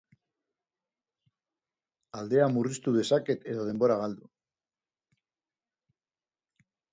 Aldea murriztu dezaket edo denbora galdu.